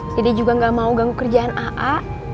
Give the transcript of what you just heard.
dede juga nggak mau ganggu kerjaan a a